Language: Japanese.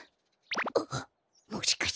あっもしかしてこれは。